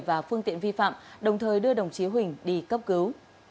và phương tiện vi phạm đồng thời đưa đồng chí huỳnh đi cấp cứu